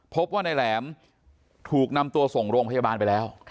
พบว่านายแหลมถูกนำตัวส่งโรงพยาบาลไปแล้ว